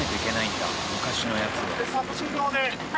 昔のやつは。